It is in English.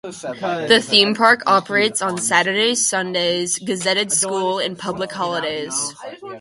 The theme park operates on Saturdays, Sundays, gazetted school and public holidays.